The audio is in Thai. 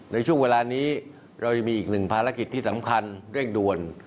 ในช่วงเวลานี้เรายังมีอีกหนึ่งภารกิจที่สำคัญเร่งด่วน